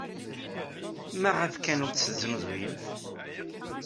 Maɣef kan ur tt-tesnuzuyemt?